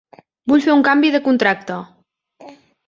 Vull fer un canvi de contracte.